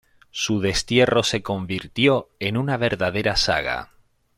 Su destierro se convirtió en una verdadera saga.